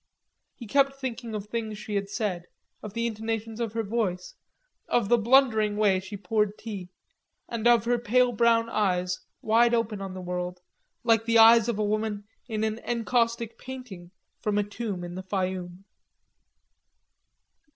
He kept thinking of things she had said, of the intonations of her voice, of the blundering way she poured tea, and of her pale brown eyes wide open on the world, like the eyes of a woman in an encaustic painting from a tomb in the Fayoum.